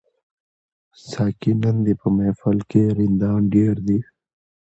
ساقي نن دي په محفل کي رندان ډیر دي